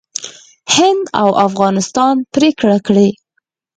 هند او افغانستان پرېکړه کړې